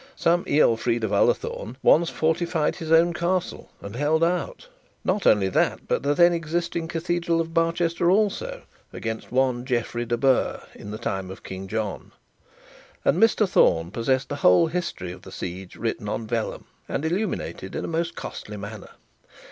Some Ealfried of Ullathorne once fortified his own castle, and held out, not only that, but the then existing cathedral of Barchester also, against one Godfrey de Burgh, in the time of King John; and Mr Thorne possessed the whole history of the siege written on vellum, and illuminated in a most costly manner.